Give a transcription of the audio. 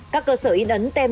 đấy đúng chưa